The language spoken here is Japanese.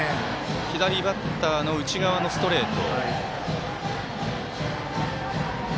左バッターの内側のストレート。